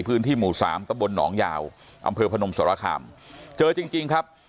พื้นที่หมู่สามตะบลหนองยาวอำเภอพนมสรคามเจอจริงจริงครับ